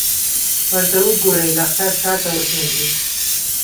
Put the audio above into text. ورته وګورئ! لښکر شاته وګرځېد.